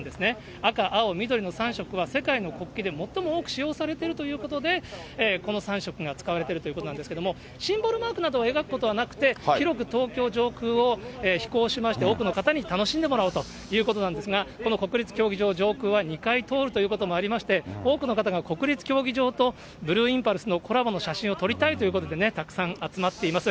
赤、青、緑の３色は世界の国旗で最も多く使用されているということで、この３色が使われているということなんですけれども、シンボルマークなどを描くことはなくて、広く東京上空を飛行しまして、多くの方に楽しんでもらおうということなんですが、この国立競技場上空は、２回通ることもありまして、多くの方が国立競技場とブルーインパルスのコラボの写真を撮りたいということで、たくさん集まっています。